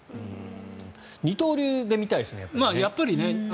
二刀流で見たいですねやっぱり。